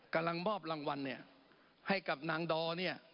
กำลังมอบรางวัลเนี่ยให้กับนางดอเนี่ย